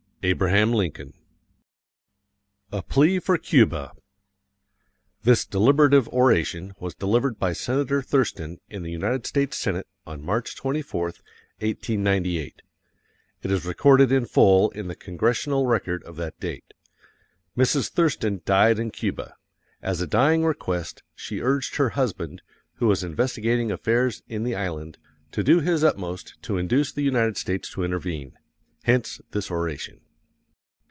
ABRAHAM LINCOLN. A PLEA FOR CUBA [This deliberative oration was delivered by Senator Thurston in the United States Senate on March 24, 1898. It is recorded in full in the Congressional Record of that date. Mrs. Thurston died in Cuba. As a dying request she urged her husband, who was investigating affairs in the island, to do his utmost to induce the United States to intervene hence this oration.